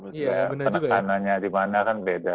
penekanannya di mana kan beda